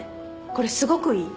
これすごくいい。